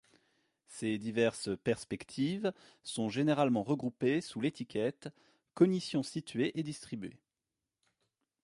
Ces diverses perspectives sont généralement regroupées sous l'étiquette cognition située et distribuée.